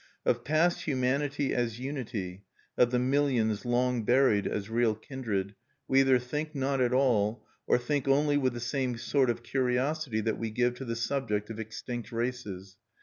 Of past humanity as unity, of the millions long buried as real kindred, we either think not at all, or think only with the same sort of curiosity that we give to the subject of extinct races.